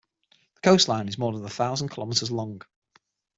The coastline is more than a thousand kilometers long.